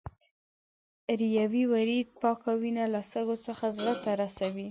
ریوي ورید پاکه وینه له سږو څخه زړه ته رسوي.